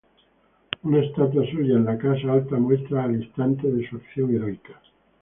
Una estatua suya en la casa alta muestra el instante de su acción heroica.